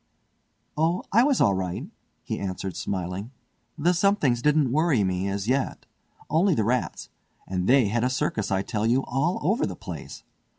"Oh, I was all right," he answered smiling, "the 'somethings' didn't worry me, as yet. Only the rats; and they had a circus, I tell you, all over the place.